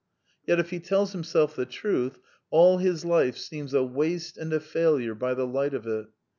Yet if he tells himself the truth, all his life seems a waste and a failure by the light of it.